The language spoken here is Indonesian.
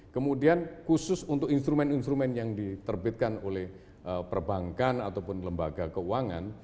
kemudian khusus untuk instrumen instrumen yang diterbitkan oleh perbankan ataupun lembaga keuangan